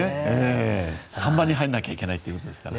３番に入らないといけないということですからね。